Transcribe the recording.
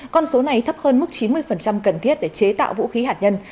con số này thấp hơn mức chín mươi cần thiết để chế tạo vũ khí hạt nhân